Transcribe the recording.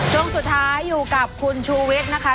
ช่วงสุดท้ายอยู่กับคุณชูวิทย์นะคะ